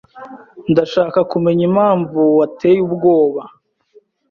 Ndashaka kumenya impamvu wateye ubwoba